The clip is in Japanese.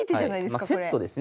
まあセットですね。